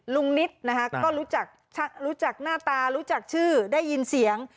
นิตนะคะก็รู้จักหน้าตารู้จักชื่อได้ยินเสียง